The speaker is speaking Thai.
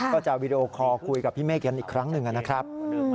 ก็จะวีดีโอคอร์คุยกับพี่เมฆกันอีกครั้งหนึ่งนะครับ